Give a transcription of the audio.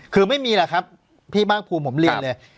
คือไม่มีหรอกครับพี่ภาคภูมิผมเรียนเลย